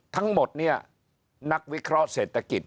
ทั้งหมดเนี่ยนักวิเคราะห์เศรษฐกิจ